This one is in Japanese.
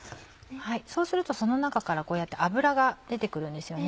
そうするとその中からこうやって脂が出て来るんですよね。